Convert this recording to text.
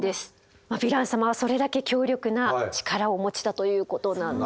ヴィラン様はそれだけ強力な力をお持ちだということなんですね。